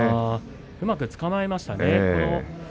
うまくつかまえましたね。